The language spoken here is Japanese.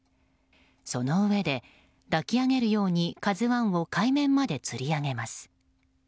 そのうえで、抱き上げるように「ＫＡＺＵ１」を海面までつり上げます。